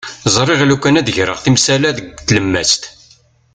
Ẓriɣ lukan ad d-greɣ timsal-a deg tlemmast.